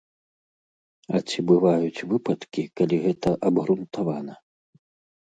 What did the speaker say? А ці бываюць выпадкі, калі гэта абгрунтавана?